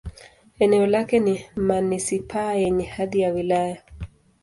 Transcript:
Eneo lake ni manisipaa yenye hadhi ya wilaya.